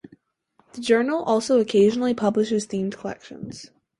The journal also occasionally publishes themed collections.